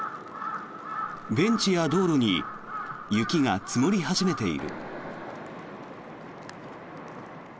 ベンチや道路に雪が積もり始めている。